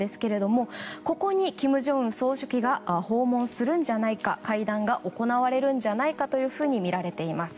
ここに金正恩総書記が訪問するんじゃないか会談が行われるんじゃないかとみられています。